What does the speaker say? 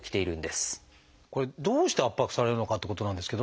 これどうして圧迫されるのかってことなんですけどね。